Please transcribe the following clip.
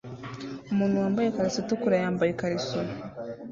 Umuntu wambaye ikariso itukura yambaye ikariso